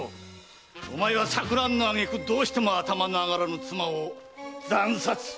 お前は錯乱のあげくどうしても頭の上がらぬ妻を惨殺！